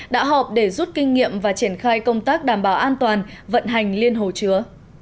đã họp để rút kinh nghiệm và triển khai công tác đảm bảo an toàn vận hành liên hồ chứa